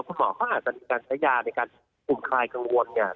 คุณหมอเขาอาจจะมีการใช้ยาในการคุมคลายกังวลเนี่ย